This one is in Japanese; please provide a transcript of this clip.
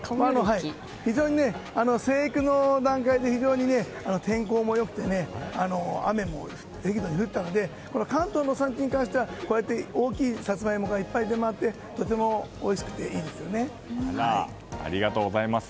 生育の段階で非常に天候も良くて雨も適度に降ったので関東の産品からしたら大きいサツマイモが出回ってありがとうございます。